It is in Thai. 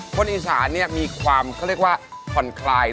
คนอีสานเนี่ยมีความเขาเรียกว่าคอนไครด์